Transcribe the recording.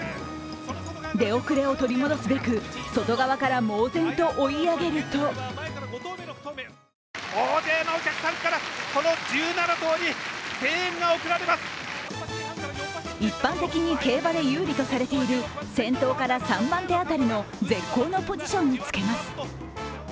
出遅れを取り戻すべく外側から猛然と追い上げると一般的に競馬で有利とされている先頭から３番手あたりの絶好のポジションにつけます。